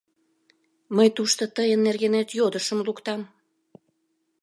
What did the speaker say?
Мый тушто тыйын нергенет йодышым луктам.